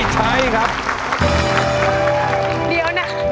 ใช้